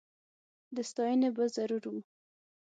د ستایني به ضرور و